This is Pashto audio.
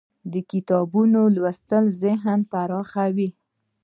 د کتابونو لوستل ذهن پراخوي.